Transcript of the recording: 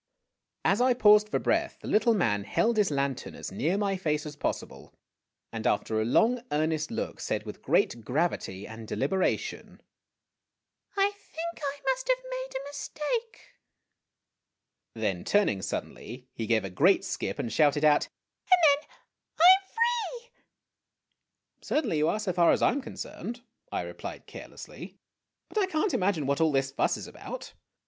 J o> As I paused for breath the little man held his lantern as near my face as possible, and after a long, earnest look, said with great gravity and deliberation :" I think 1 must have made a mistake !' Then, turning suddenly, he gave a great skip and shouted out, "And then I am free!' "Certainly you are, so far as I am concerned," I replied care lessly ;" but I can't imagine what all this fuss is about.